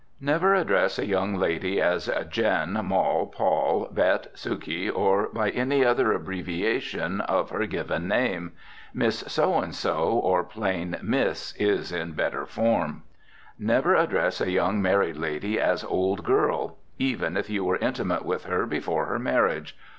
Never address a young lady as Jen., Mol., Pol., Bet., Suke., or by any other abbreviation of her given name. Miss So and so, or plain miss, is in better form. Never address a young married lady as old girl, even if you were intimate with her before her marriage.